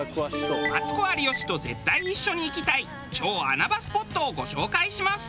マツコ有吉と絶対一緒に行きたい超穴場スポットをご紹介します。